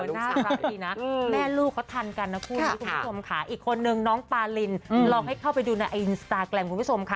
หน้าสาวดีนะแม่ลูกก็ทันกันนะคุณผู้ชมขะอีกคนนึงน้องปาลินลองได้เข้าไปดูในอินสตาแกรมคุณผู้ชมครับ